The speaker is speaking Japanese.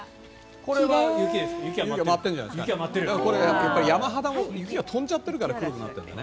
これ、山肌も雪が飛んじゃってるから黒くなっているんだね。